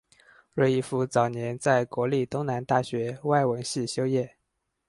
芮逸夫早年在国立东南大学外文系修业。